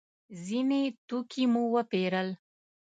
ځینې توکي مو وپېرل.